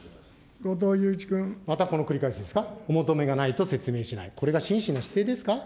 またこの繰り返しですか、お求めがないと説明しない、これが真摯な姿勢ですか。